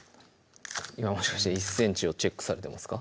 今もしかして１ｃｍをチェックされてますか？